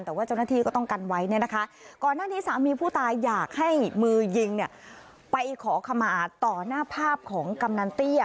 แต่ว่าเจ้าหน้าที่ก็ต้องกันไว้เนี่ยนะคะก่อนหน้านี้สามีผู้ตายอยากให้มือยิงเนี่ยไปขอขมาต่อหน้าภาพของกำนันเตี้ย